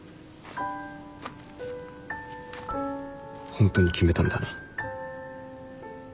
本当に決めたんだな。